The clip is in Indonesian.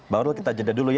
bang rul kita jeda dulu ya